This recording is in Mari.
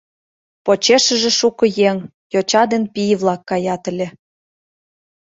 Почешыже шуко еҥ, йоча ден пий-влак каят ыле.